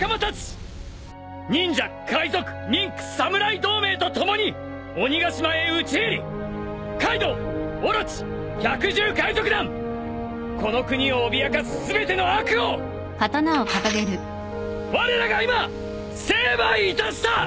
忍者海賊ミンク侍同盟と共に鬼ヶ島へ討ち入りカイドウオロチ百獣海賊団この国を脅かす全ての悪をわれらが今成敗いたした！